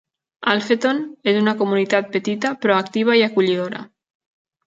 Alpheton és una comunitat petita, però activa i acollidora.